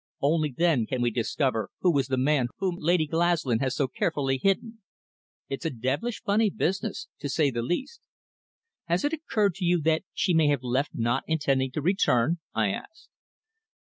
Only then can we discover who was the man whom Lady Glaslyn has so carefully hidden. It's a devilish funny business, to say the least." "Has it occurred to you that she may have left not intending to return?" I asked.